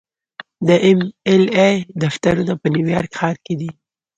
د ایم ایل اې دفترونه په نیویارک ښار کې دي.